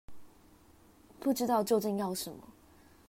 不知道究竟要什麼